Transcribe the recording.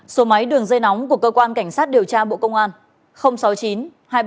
số máy đường dây nóng của cơ quan cảnh sát điều tra bộ công an